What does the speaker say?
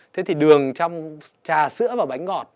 thế thì đường trong trà sữa và bánh ngọt